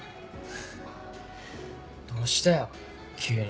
フフフどうしたよ急に。